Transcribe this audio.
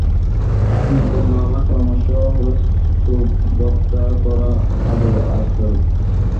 আপনার জন্য আমার পরামর্শ হবে স্যুপ, ভর্তা করা আলু আর দই।